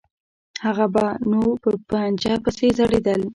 هغه به نو په پنجه پسې ځړېدل.